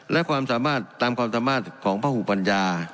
และความสามารถตามความสามารถของพระหูปัญญา